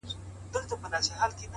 پوه انسان له تعصب لرې وي,